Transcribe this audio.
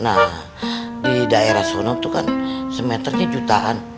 nah di daerah sono itu kan semeternya jutaan